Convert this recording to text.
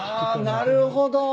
あなるほど。